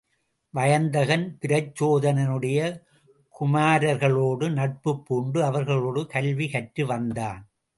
வயந்தகன் பிரச்சோதனனுடைய குமாரர்களோடு நட்புப் பூண்டு, அவர்களோடு கல்வி கற்று வந்தான்.